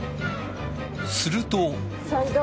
すると。